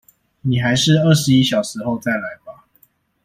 你還是二十一小時後再來吧